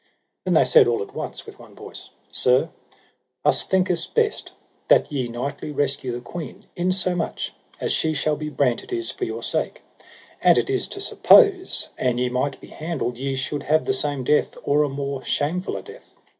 Then they said all at once with one voice: Sir, us thinketh best that ye knightly rescue the queen, insomuch as she shall be brent it is for your sake; and it is to suppose, an ye might be handled, ye should have the same death, or a more shamefuler death.